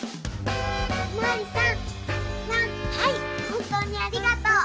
本当にありがとう！